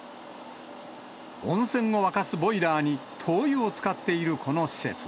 温泉を沸かすボイラーに灯油を使っているこの施設。